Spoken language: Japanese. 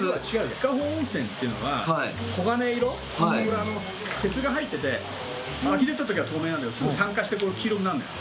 伊香保温泉っていうのは黄金色鉄が入ってて湧き出た時は透明なんだけどすぐ酸化して黄色くなんのよ。